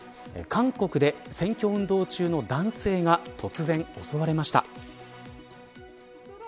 韓国で、選挙運動中の男性が突然、襲われました。